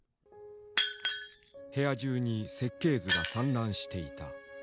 部屋中に設計図が散乱していた。